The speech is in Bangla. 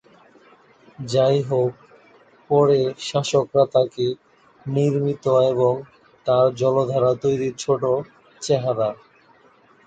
যাইহোক, পরে শাসকরা তাকে নির্মিত এবং তার জলাধার তৈরি ছোট চেহারা।